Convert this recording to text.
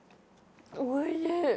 おいしい！